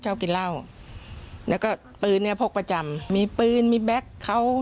ชอบกินเหล้าแล้วก็ปืนเนี่ยพกประจำมีปืนมีแก๊กเขา